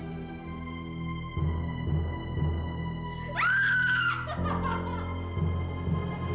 mungkin sudah ada lagi